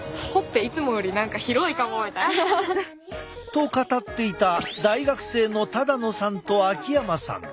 と語っていた大学生の野さんと秋山さん。